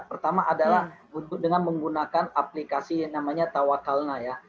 pertama adalah dengan menggunakan aplikasi yang namanya tawakalna ya